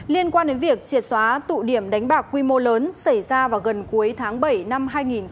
liên quan đến việc triệt xóa tụ điểm đánh bạc quy mô lớn xảy ra vào gần cuối tháng bảy năm hai nghìn hai mươi